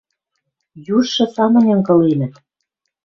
Южшы самынь ынгыленӹт.